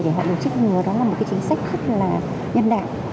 để họ được trích ngừa đó là một cái chính sách rất là nhân đạo